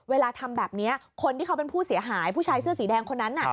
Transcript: เวลาทำแบบนี้คนที่เขาเป็นผู้เสียหายผู้ชายเสื้อสีแดงคนนั้น